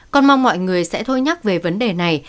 con mong mọi người sẽ thôi nhắc về vấn đề này